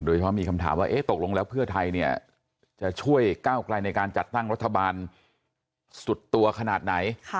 เฉพาะมีคำถามว่าตกลงแล้วเพื่อไทยจะช่วยก้าวไกลในการจัดตั้งรัฐบาลสุดตัวขนาดไหน